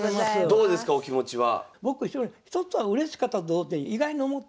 どうですかお気持ちは。